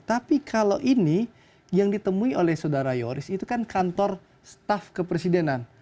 tapi kalau ini yang ditemui oleh saudara yoris itu kan kantor staff kepresidenan